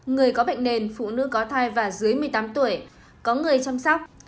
người có bệnh nền phụ nữ có thai và dưới một mươi tám tuổi có người chăm sóc